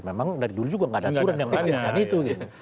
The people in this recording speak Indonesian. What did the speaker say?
memang dari dulu juga tidak ada aturan yang mengatur